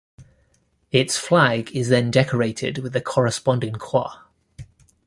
Its flag is then decorated with the corresponding Croix.